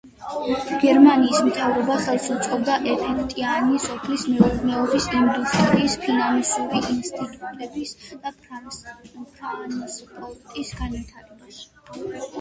გერმანიის მთავრობა ხელს უწყობდა ეფექტიანი სოფლის მეურნეობის, ინდუსტრიის, ფინანსური ინსტიტუტების და ტრანსპორტის განვითარებას.